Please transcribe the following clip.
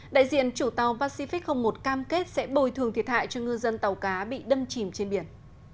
đại diện chủ tàu pacific một cam kết sẽ bồi thường thiệt hại cho ngư dân tàu cá bị đâm chìm trên biển